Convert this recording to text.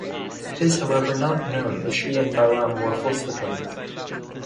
It is however not known if she and Bahram were full siblings.